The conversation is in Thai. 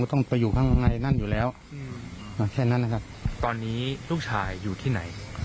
ตอนนี้ลูกชายอยู่ที่ไหน